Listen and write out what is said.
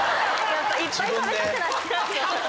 いっぱい食べたくなっちゃう。